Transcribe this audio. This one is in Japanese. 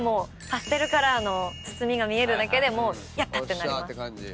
パステルカラーの包みが見えるだけでもうやった！ってなります。